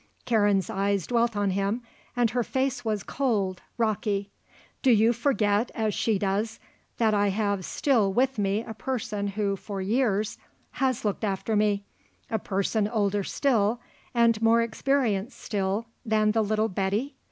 Karen's eyes dwelt on him and her face was cold, rocky. "Do you forget, as she does, that I have still with me a person who, for years, has looked after me, a person older still and more experienced still than the little Betty?